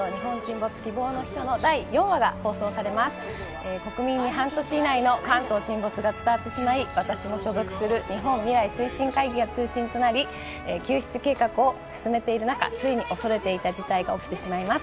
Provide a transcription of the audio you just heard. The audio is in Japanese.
国民に半年以内の関東沈没が伝わってしまい私も所属する日本未来推進会議が中心となり救出計画を進めている中、ついに恐れていた事態が起きてしまいます。